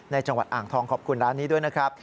จังหวัดอ่างทองขอบคุณร้านนี้ด้วยนะครับ